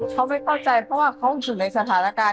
เขาไม่เข้าใจเพราะว่าเขาอยู่ในสถานการณ์